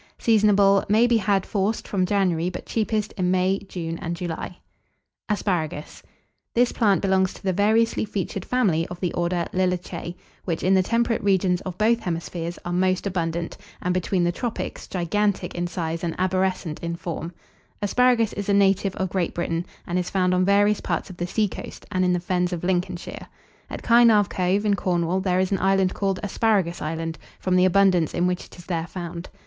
Seasonable. May be had, forced, from January but cheapest in May, June, and July. [Illustration: ASPARAGUS.] ASPARAGUS. This plant belongs to the variously featured family of the order Liliaceae, which, in the temperate regions of both hemispheres, are most abundant, and, between the tropics, gigantic in size and arborescent in form. Asparagus is a native of Great Britain, and is found on various parts of the seacoast, and in the fens of Lincolnshire. At Kynarve Cove, in Cornwall, there is an island called "Asparagus Island," from the abundance in which it is there found.